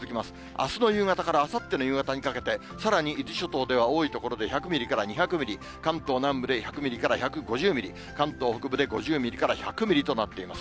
あすの夕方からあさっての夕方にかけて、さらに伊豆諸島では多い所で１００ミリから２００ミリ、関東南部で１００ミリから１５０ミリ、関東北部で５０ミリから１００ミリとなっています。